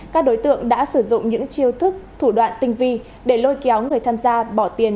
các đối tượng đã sử dụng những chiêu thức thủ đoạn tinh vi để lôi kéo người tham gia bỏ tiền